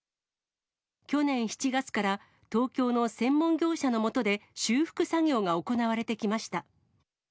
去年７月から東京の専門業者のもとで、修復作業が行われてきました。